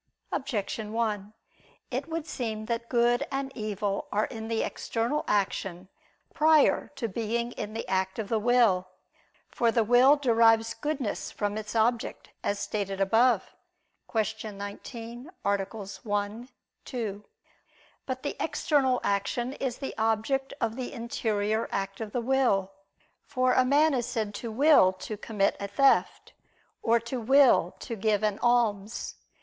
Objection 1: It would seem that good and evil are in the external action prior to being in the act of the will. For the will derives goodness from its object, as stated above (Q. 19, AA. 1, 2). But the external action is the object of the interior act of the will: for a man is said to will to commit a theft, or to will to give an alms.